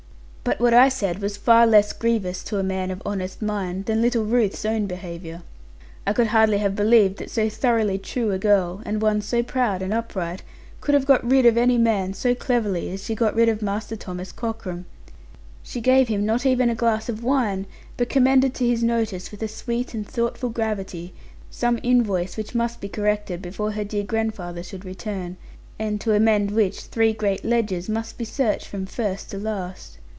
But what I said was far less grievous to a man of honest mind than little Ruth's own behaviour. I could hardly have believed that so thoroughly true a girl, and one so proud and upright, could have got rid of any man so cleverly as she got rid of Master Thomas Cockram. She gave him not even a glass of wine, but commended to his notice, with a sweet and thoughtful gravity, some invoice which must be corrected, before her dear grandfather should return; and to amend which three great ledgers must be searched from first to last.